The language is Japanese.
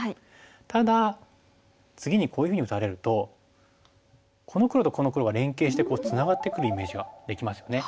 ただ次にこういうふうに打たれるとこの黒とこの黒が連係してツナがってくるイメージができますよね。